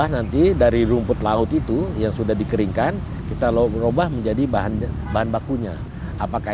nanti dari rumput laut itu yang sudah dikeringkan kita ubah menjadi bahan bahan bakunya apakah